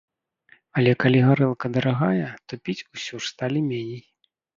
Але калі гарэлка дарагая, то піць усё ж сталі меней.